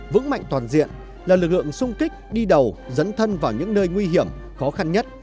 vững mạnh toàn diện là lực lượng sung kích đi đầu dấn thân vào những nơi nguy hiểm khó khăn nhất